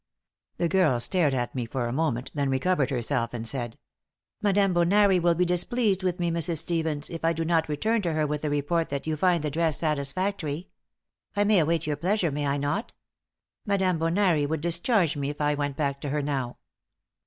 The girl stared at me for a moment, then recovered herself and said: "Madame Bonari will be displeased with me, Mrs. Stevens, if I do not return to her with the report that you find the dress satisfactory. I may await your pleasure, may I not? Madame Bonari would discharge me if I went back to her now."